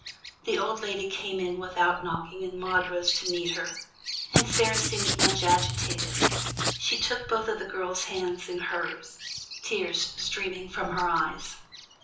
The old lady came in without knocking and Maude rose to meet her. Aunt Sarah seemed much agitated. She took both of the girl's hands in hers, tears streaming from her eyes.